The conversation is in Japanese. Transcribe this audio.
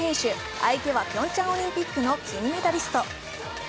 相手はピョンチャンオリンピックの金メダリスト。